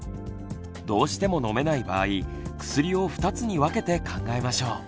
どうしても飲めない場合薬を２つに分けて考えましょう。